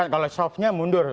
kalau softnya mundur